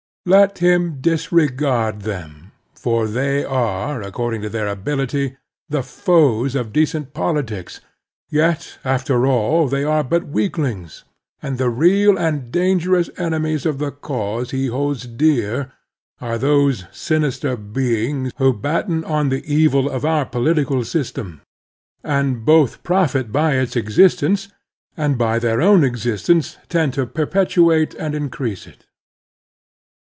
Let him disregard them; for though they are, according to their ability, the foes of decent politics, yet, after all, they are but weaklings, and the real and dangerous enemies of the cause he holds dear are those sinister beings who batten on the evil of our political system, and both profit by its existence, and by their own existence tend to perpetuate and increase it.